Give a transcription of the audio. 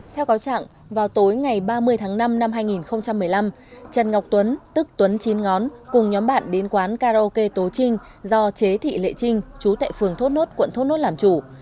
theo cáo trạng vào tối ngày ba mươi tháng năm năm hai nghìn một mươi năm trần ngọc tuấn tức tuấn chín ngón cùng nhóm bạn đến quán karaoke tố trinh do chế thị lệ trinh chú tại phường thốt nốt quận thốt nốt làm chủ